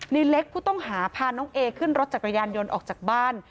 ในเล็กผู้ต้องหาพาน้องเอขึ้นรถจักรยานยนต์ออกจากบ้าน